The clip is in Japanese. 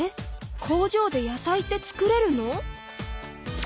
工場で野菜って作れるの？